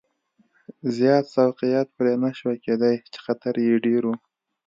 زیات سوقیات پرې نه شوای کېدای چې خطر یې ډېر و.